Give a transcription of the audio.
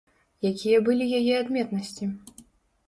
Якія былі яе адметнасці?